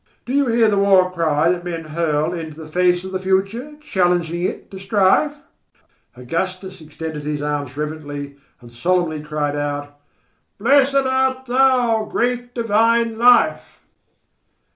Do you hear the war cry that men hurl into the face of the future, challenging it to strife?" Augustus extended his arms reverently and solemnly cried out: "Blessed art thou, Great Divine Life!"